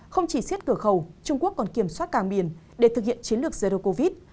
không chỉ xét cửa khẩu trung quốc còn kiểm soát càng biển để thực hiện chiến lược zero covid